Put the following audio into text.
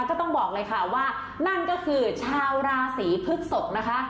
ต้องบอกเลยค่ะว่านั่นก็คือชาวราศีพฤกษกนะคะ